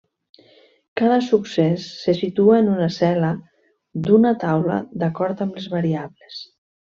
Cada succés se situa en una cel·la d'una taula d'acord amb les variables.